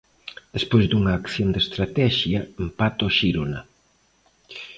Despois dunha acción de estratexia, empata o Xirona.